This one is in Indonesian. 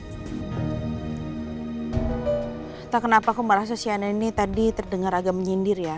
entah kenapa aku marah sosial ini tadi terdengar agak menyindir ya